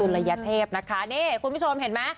ระยะเทพนะคะนี่คุณผู้ชมเห็นไหม